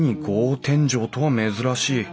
天井とは珍しい。